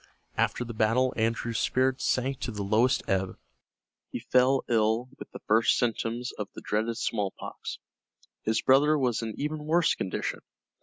After the battle Andrew's spirits sank to the lowest ebb. He fell ill with the first symptoms of the dreaded smallpox. His brother was in even worse condition.